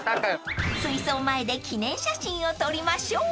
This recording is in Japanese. ［水槽前で記念写真を撮りましょう］